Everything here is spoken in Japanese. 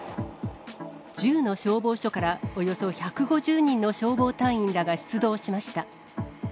１０の消防署からおよそ１５０人の消防隊員らが出動しました。